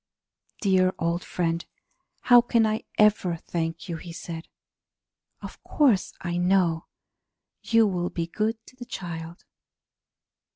"Dear old friend, how can I ever thank you?" he said. "Of course I know you will be good to the child!